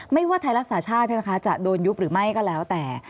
ไม่ว่าไทยรักษาชาติจะโดนยุบหรือไม่ก็แล้วแต่